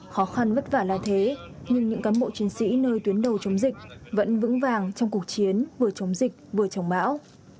khó khăn vất vả là thế nhưng những cán bộ chiến sĩ nơi tuyến đầu chống dịch vẫn vững vàng trong cuộc chiến vừa chống dịch vừa chống bão